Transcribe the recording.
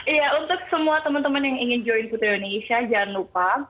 iya untuk semua teman teman yang ingin join putri indonesia jangan lupa